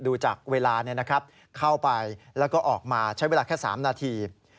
ดูจากเวลาเนี่ยนะครับเข้าไปแล้วก็ออกมาใช้เวลาแค่๓นาที